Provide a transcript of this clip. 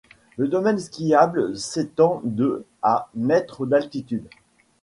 Le domaine skiable s'étend de à mètres d'altitude.